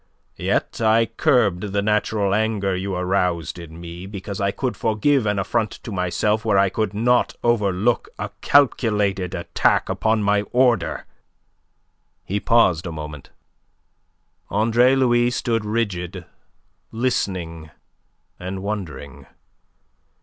Yet I curbed the natural anger you aroused in me, because I could forgive an affront to myself where I could not overlook a calculated attack upon my order." He paused a moment. Andre Louis stood rigid listening and wondering.